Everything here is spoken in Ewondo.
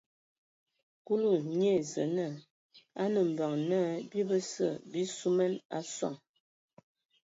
Kulu nye ai Zǝə naa: A nǝ hm mbeŋ naa bii bəse bii suman a soŋ.